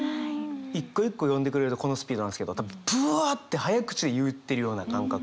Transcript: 一個一個読んでくれるとこのスピードなんですけど多分ぶわって早口で言ってるような感覚。